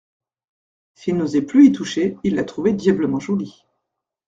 S'il n'osait plus y toucher, il la trouvait diablement jolie.